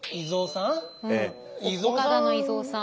岡田の以蔵さん。